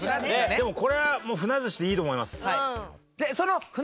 でもこれは鮒寿司でいいと思います。